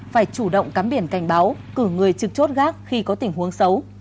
phải chủ động cắm biển cảnh báo cử người trực chốt gác khi có tình huống xấu